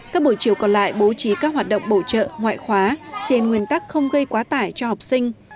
các buổi chiều còn lại bố trí các hoạt động bổ trợ ngoại khóa trên nguyên tắc không gây quá tải cho học sinh